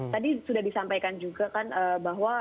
tadi sudah disampaikan juga kan bahwa memang ini nggak cuma di dalam